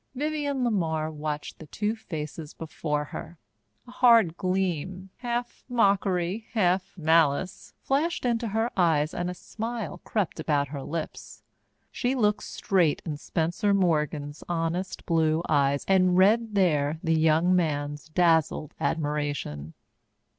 Vivienne LeMar watched the two faces before her; a hard gleam, half mockery, half malice, flashed into her eyes and a smile crept about her lips. She looked straight in Spencer Morgan's honest blue eyes and read there the young man's dazzled admiration.